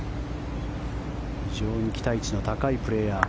非常に期待値の高いプレーヤー。